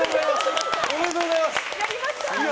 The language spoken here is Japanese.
おめでとうございます！